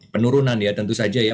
penurunan ya tentu saja ya